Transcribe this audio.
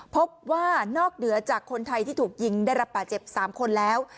พบว่านอกเหนือจากคนไทยที่ถูกยิงได้รับป่าเจ็บ๓คนแล้ว